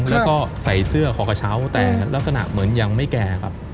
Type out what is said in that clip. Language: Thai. แล้วก็ใส่เสื้อขอกระเช้าแต่ลักษณะเหมือนยังไม่แก่ครับ